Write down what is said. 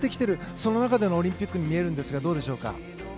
その中でのオリンピックに見えますがどうでしょうか。